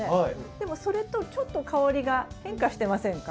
でもそれとちょっと香りが変化してませんか？